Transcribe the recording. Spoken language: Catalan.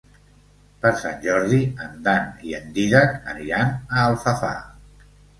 Per Sant Jordi en Dan i en Dídac aniran a Alfafar.